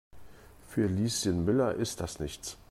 Für Lieschen Müller ist das nichts.